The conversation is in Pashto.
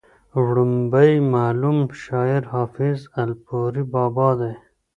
وړومبی معلوم شاعر حافظ الپورۍ بابا دی